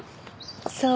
そう？